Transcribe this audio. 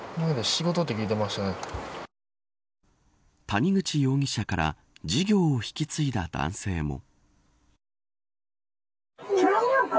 谷口容疑者から事業を引き継いだ男性も。